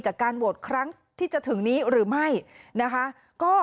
จากการโหวตครั้งที่จะถึงนี้หรือไม่นะคะ